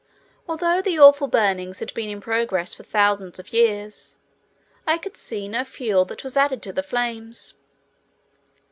Although the awful burnings had been in progress for thousands of years, I could see no fuel that was added to the flames.